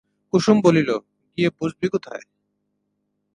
কুসুম বলিল, গিয়ে বসবি কোথায়?